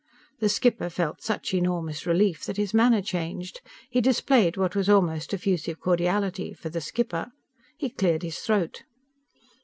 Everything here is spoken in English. The skipper felt such enormous relief that his manner changed. He displayed what was almost effusive cordiality for the skipper. He cleared his throat.